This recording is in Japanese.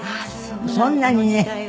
そんなにね。